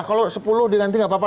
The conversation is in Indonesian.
kalau sepuluh di ganti gak apa apa